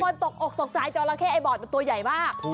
ตกอกตกใจจอราเข้ไอบอร์ดมันตัวใหญ่มาก